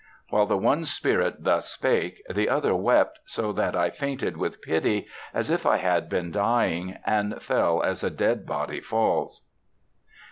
"While the one spirit thus spake, the other wept so that I fainted with pity, as if I had been dying; and fell, as a dead body falls."